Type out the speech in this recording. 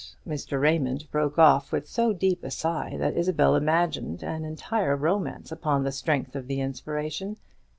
Mr. Raymond broke off with so deep a sigh, that Isabel imagined an entire romance upon the strength of the inspiration.